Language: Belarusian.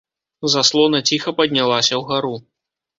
Заслона ціха паднялася ўгару.